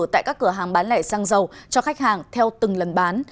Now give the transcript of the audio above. tại các cửa hàng bán lẻ xăng dầu cho khách hàng theo từng lần bán